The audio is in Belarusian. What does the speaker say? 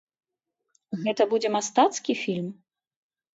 Гэта будзе мастацкі фільм?